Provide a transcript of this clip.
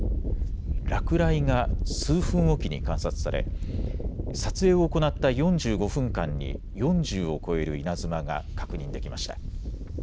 落雷が数分置きに観察され撮影を行った４５分間に４０を超える稲妻が確認できました。